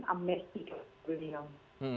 amnesti ke beliau